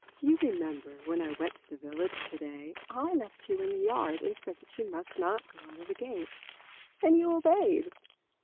"You remember when I went to the village to day, I left you in the yard and said that you must not go out of the gate, and you obeyed.